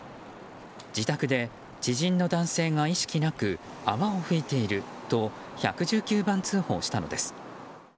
自宅で知人の男性が意識なく泡を吹いていると１１９番通報したのです。